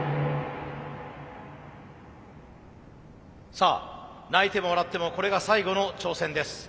さあ泣いても笑ってもこれが最後の挑戦です。